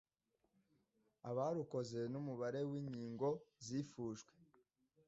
abarukoze n'umubare w'inkingo zifujwe